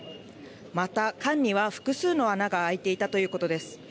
また缶には複数の穴が開いていたということです。